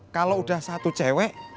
kalau udah satu cewek